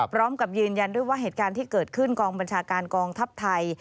พร้อมกับยืนยันด้วยว่าเหตุการณ์ที่เกิดขึ้นกองบัญชาการกองทัพไทย